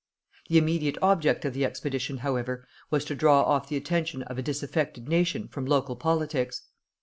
The immediate object of the expedition, however, was to draw off the attention of a disaffected nation from local politics.